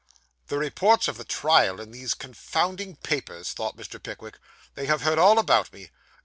'The reports of the trial in those confounded papers,' thought Mr. Pickwick. 'They have heard all about me.